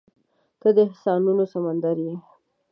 • ته د احساسونو سمندر یې.